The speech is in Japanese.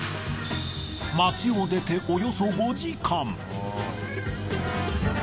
街を出ておよそ５時間。